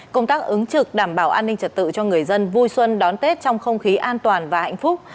công tác ứng trực đảm bảo an ninh trật tự cho người dân vui xuân đón tết trong không khí an toàn và hạnh phúc